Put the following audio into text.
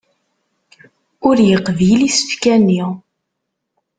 Ur yeqbil isefka-nni.